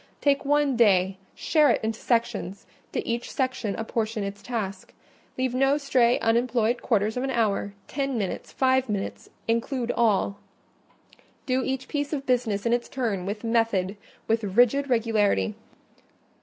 Take one day; share it into sections; to each section apportion its task: leave no stray unemployed quarters of an hour, ten minutes, five minutes—include all; do each piece of business in its turn with method, with rigid regularity.